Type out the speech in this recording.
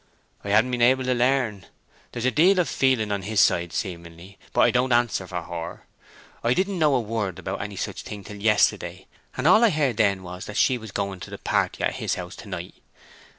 "I haen't been able to learn. There's a deal of feeling on his side seemingly, but I don't answer for her. I didn't know a word about any such thing till yesterday, and all I heard then was that she was gwine to the party at his house to night.